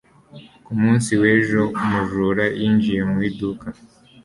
Ku munsi w'ejo, umujura yinjiye mu iduka.